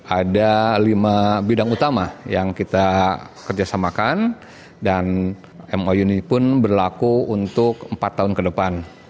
ada lima bidang utama yang kita kerjasamakan dan mou ini pun berlaku untuk empat tahun ke depan